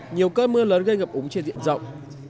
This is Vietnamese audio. nhiều cơn mưa lớn gây ngập úng trên diện rộng